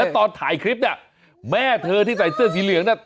ตอนถ่ายคลิปเนี่ยแม่เธอที่ใส่เสื้อสีเหลืองน่ะ